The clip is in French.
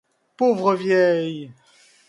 Pauvre vieille !